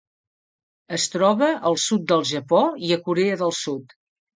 Es troba al sud del Japó i a Corea del Sud.